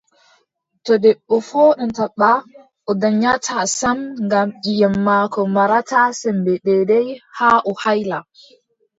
To debbo fooɗan taba, o danyataa sam ngam ƴiiƴam maako marataa semmbe deydey haa o hayla.